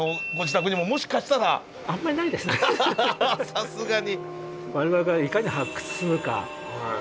さすがに。